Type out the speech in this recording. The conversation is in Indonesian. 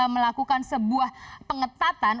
melakukan sebuah pengetatan